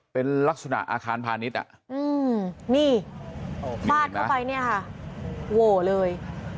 เป็นลักษณะอาคารพาณิชย์นี่ฟาดเข้าไปเนี่ยค่ะโหวเลย